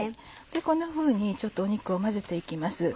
こんなふうに肉を混ぜて行きます。